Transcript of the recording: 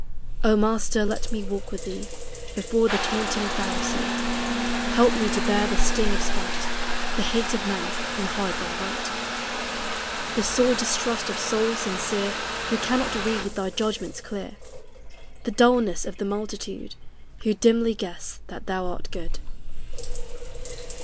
O Master, let me walk with thee Before the taunting Pharisee; Help me to bear the sting of spite, The hate of men who hide thy light, The sore distrust of souls sincere Who cannot read thy judgments clear, The dulness of the multitude Who dimly guess that thou art good.